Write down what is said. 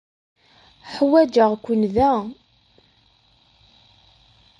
Ḥwajeɣ-ken da.